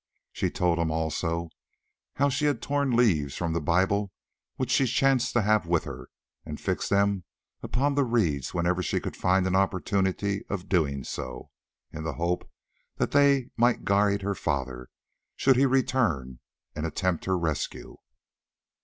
She told him also how she had torn leaves from the Bible which she chanced to have with her, and fixed them upon the reeds whenever she could find an opportunity of so doing, in the hope that they might guide her father, should he return and attempt her rescue.